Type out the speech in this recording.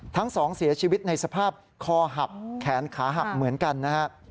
ทั้งสองเสียชีวิตในสภาพคอหับแขนขาหับเหมือนกันนะครับ